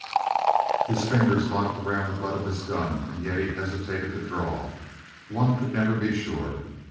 His fingers locked around the butt of his gun and yet he hesitated to draw. One could never be sure.